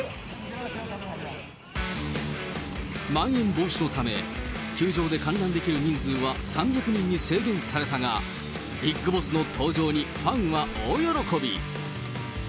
まん延防止のため、球場で観覧できる人数は３００人に制限されたが、ビッグボスの登場にファンは大喜び。